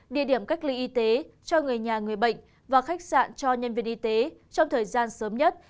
địa điểm cách ly y tế cho người nhà người bệnh và khách sạn cho nhân viên y tế trong thời gian sớm nhất